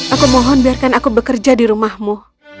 aku mohon biarkan aku bekerja di rumahmu